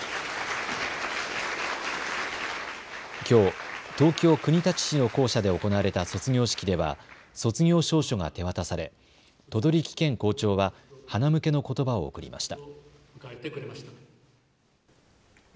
きょう東京国立市の校舎で行われた卒業式では卒業証書が手渡され等々力健校長ははなむけのことばを贈りました。